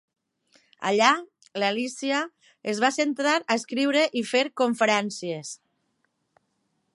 Allà, l'Alícia es va centrar a escriure i fer conferències.